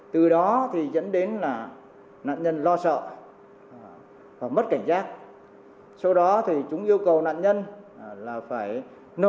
từ đó thì dẫn đến là nạn nhân lo sợ và mất cảnh giác sau đó thì chúng yêu cầu nạn nhân là phải nợ